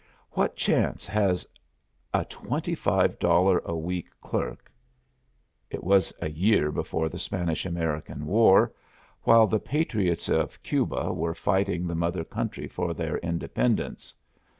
"What chance has a twenty five dollar a week clerk " It was a year before the Spanish American War, while the patriots of Cuba were fighting the mother country for their independence.